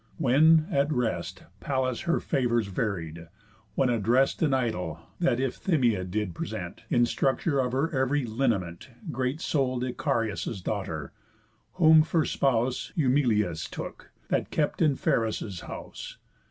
When, at rest, Pallas her favours varied, when addrest An idol, that Iphthima did present In structure of her ev'ry lineament, Great soul'd Icarius' daughter, whom for spouse Eumelus took, that kept in Pheris' house.